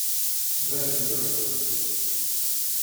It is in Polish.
"Weszli do izby."